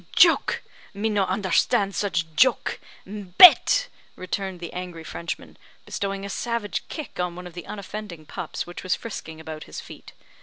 "Joke! me no understand such joke. Bete!" returned the angry Frenchman, bestowing a savage kick on one of the unoffending pups which was frisking about his feet.